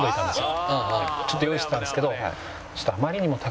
ちょっと用意してたんですけど。